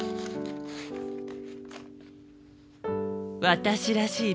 私らしい